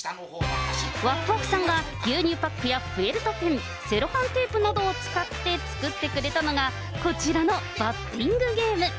わくわくさんが牛乳パックやフエルトペン、セロハンテープなどを使って作ってくれたのが、こちらのバッティングゲーム。